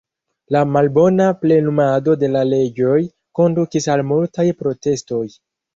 La malbona plenumado de la leĝoj kondukis al multaj protestoj.